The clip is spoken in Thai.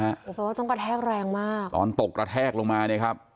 เพราะว่าต้องกระแทกแรงมากตอนตกกระแทกลงมาเนี่ยครับ